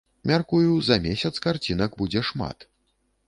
Мяркую, за месяц карцінак будзе шмат.